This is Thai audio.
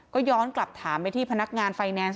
ก็ย้อนกลับถามไปที่พนักงานไฟแนนซ์